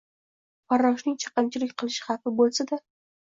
farroshning chaqimchilik qilish xavfi bo‘lsa-da